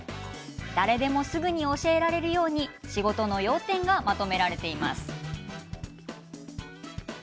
誰でもすぐに教えられるように仕事の要点がまとめられています。